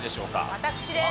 私です。